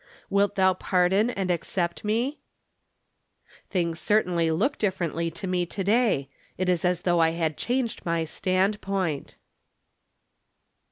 Wilt thou pardon and accept me ?" Things certainly look differently to me to day. It is as though I had changed my standpoint.